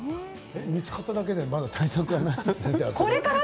見つかっただけでまだ対策はない？